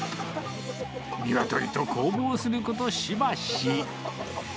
ニワトリと攻防すること、しばし。